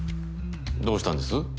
どうしたんです？